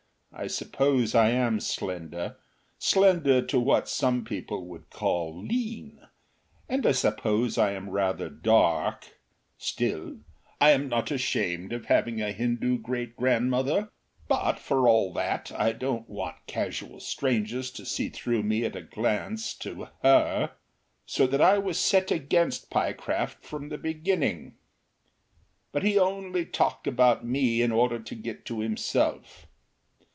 I suppose I am slender, slender to what some people would call lean, and I suppose I am rather dark, still I am not ashamed of having a Hindu great grandmother, but, for all that, I don't want casual strangers to see through me at a glance to HER. So that I was set against Pyecraft from the beginning. But he only talked about me in order to get to himself.